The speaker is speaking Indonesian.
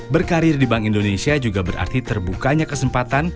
berkarir di bank indonesia juga berarti terbukanya kesempatan